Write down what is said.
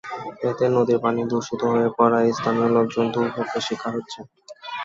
এতে নদীর পানি দূষিত হয়ে পড়ায় স্থানীয় লোকজন দুর্ভোগের শিকার হচ্ছে।